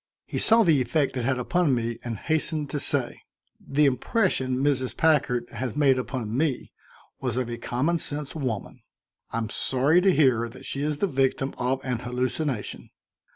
He saw the effect it had upon me and hastened to say: "The impression Mrs. Packard has made upon me was of a common sense woman. I'm sorry to hear that she is the victim of an hallucination.